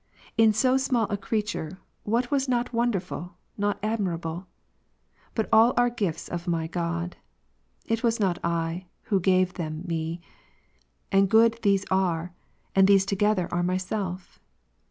In so small a creature, what was not wonderful, not admirable ? But all are gifts of my God ; it was not I, who gave them me; and good these are, and these together are myself.